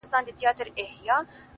o ستا د مخ له اب سره ياري کوي؛